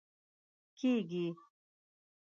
کېږي